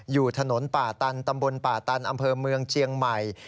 อยู่ถนนป่าตันตำบลป่าตันอำเภอเมืองเชียงใหม่